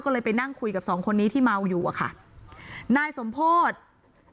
ก็เลยไปนั่งคุยกับสองคนนี้ที่เมาอยู่อะค่ะนายสมโพธิ์